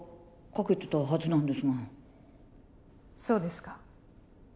そうですか。